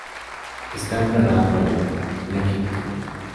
Está enterrado en Lexington.